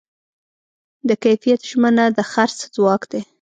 د کیفیت ژمنه د خرڅ ځواک دی.